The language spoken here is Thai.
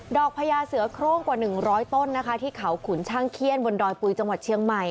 พญาเสือโครงกว่า๑๐๐ต้นนะคะที่เขาขุนช่างเขี้ยนบนดอยปุ๋ยจังหวัดเชียงใหม่